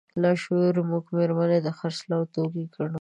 لاشعوري موږ مېرمنې د خرڅلاو توکي ګڼو.